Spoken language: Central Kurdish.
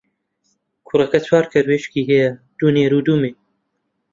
کوڕەکە چوار کەروێشکی هەیە، دوو نێر و دوو مێ.